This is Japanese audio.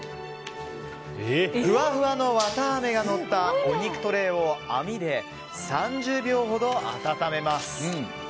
ふわふわのわたあめがのったお肉のトレーを網で３０秒ほど温めます。